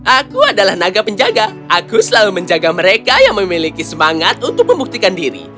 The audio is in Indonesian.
aku adalah naga penjaga aku selalu menjaga mereka yang memiliki semangat untuk membuktikan diri